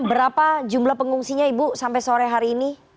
berapa jumlah pengungsinya ibu sampai sore hari ini